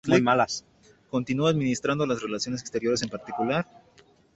Continuó administrando las relaciones exteriores en particular.